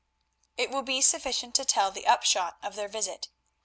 It will be sufficient to tell the upshot of their visit.